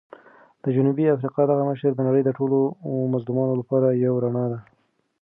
د جنوبي افریقا دغه مشر د نړۍ د ټولو مظلومانو لپاره یو رڼا وه.